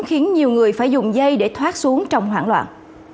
khiến nhiều người phải dùng dây để thoát xuống trong hoảng loạn